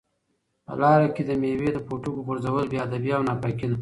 په لاره کې د مېوې د پوټکو غورځول بې ادبي او ناپاکي ده.